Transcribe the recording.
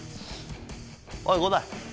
おい伍代。